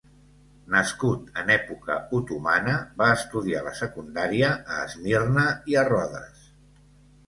Nascut en època otomana, va estudiar la secundària a Esmirna i a Rodes.